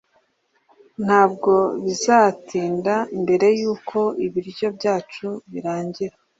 Ntabwo bizatinda mbere yuko ibiryo byacu birangira.